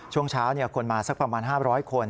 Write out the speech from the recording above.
ช่วงเช้าคนมาสักประมาณ๕๐๐คน